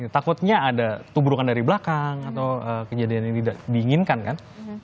takutnya ada tuburukan dari belakang atau kejadian yang tidak diinginkan kan